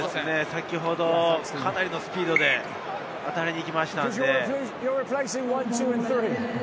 先ほど、かなりのスピードで当たりに行きましたので。